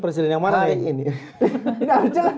presiden yang mana nih